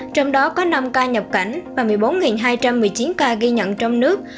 trong đó có năm ca nhập cảnh và một mươi bốn hai trăm một mươi chín ca ghi nhận trong nước